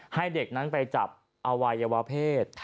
ให้เด็กนั้นไปจับอวัยวะเพศ